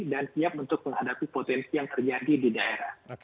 dan siap untuk menghadapi potensi yang terjadi di daerah